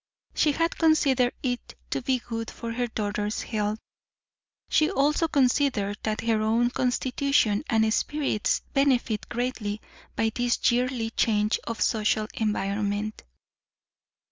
She had considered it to be good for her daughter's health; she also considered that her own constitution and spirits benefited greatly by this yearly change of social environment.